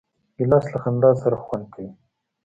ګیلاس له خندا سره خوند کوي.